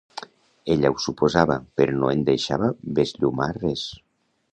Ella ho suposava, però no en deixava besllumar res.